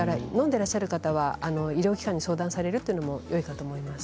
でらっしゃる方は医療機関に相談されるというのもよいかと思います。